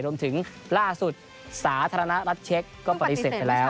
รวมถึงล่าสุดสาธารณรัฐเช็คก็ปฏิเสธไปแล้ว